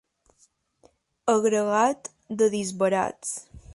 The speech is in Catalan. Agregat de disbarats.